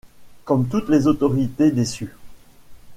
comme toutes les autorités déçues.